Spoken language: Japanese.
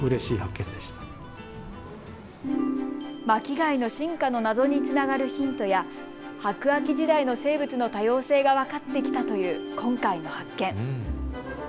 巻き貝の進化の謎につながるヒントや白亜紀時代の生物の多様性が分かってきたという今回の発見。